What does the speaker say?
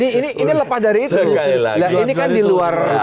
ini lepas dari itu